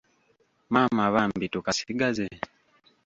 Maama bambi, tukasigaze?